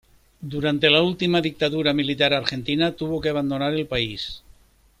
Durante la última Dictadura militar argentina, tuvo que abandonar el país.